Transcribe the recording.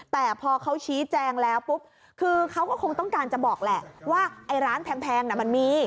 แต่พอเขาชี้แจงแล้วปุ๊บคือเขาก็คงต้องการจะบอกแหละว่าไอ้ร้านแพงน่ะมันมี